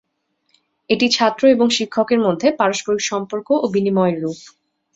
এটি ছাত্র এবং শিক্ষকের মধ্যে পারস্পরিক সম্পর্ক ও বিনিময়ের রূপ।